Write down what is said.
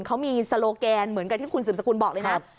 เขามีโซโลแกนเหมือนกับที่คุณสืบสกุลบอกเลยนะ